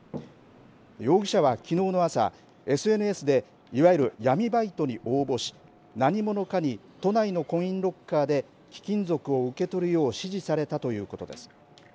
容疑者は、きのうの朝ＳＮＳでいわゆる闇バイトに応募し何者かに都内のコインロッカーで貴金属を受け取るよう指示されたということです。